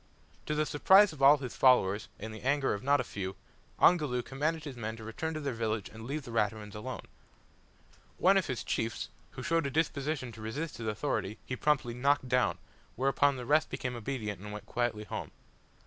To the surprise of all his followers, and the anger of not a few, Ongoloo commanded his men to return to their village and leave the Raturans alone. One of his chiefs, who showed a disposition to resist his authority, he promptly knocked down, whereupon the rest became obedient and went quietly home.